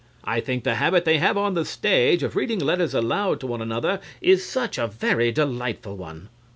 I think the habit they have on the stage of reading letters aloud to other is such a very delightful one.